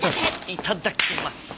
いただきます。